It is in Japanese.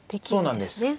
そうなんです。